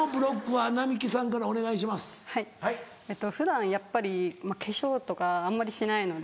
はい普段やっぱり化粧とかあんまりしないので。